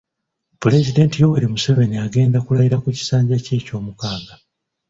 Pulezidenti Yoweri Museveni agenda kulayira ku kisanja kye ekyomukaaga.